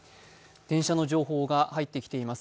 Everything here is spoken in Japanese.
電車の情報が入ってきています。